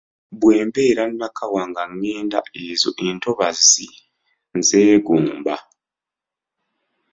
"Bwe mbeera Nakawa nga ngenda, ezo entobazzi nzeegomba."